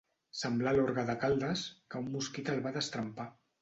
Semblar l'orgue de Caldes, que un mosquit el va destrempar.